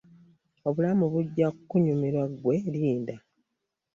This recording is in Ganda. Obulamu bujja kukunyumira ggwe linda.